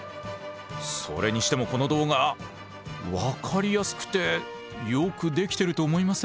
それにしてもこの動画分かりやすくてよくできてると思いません？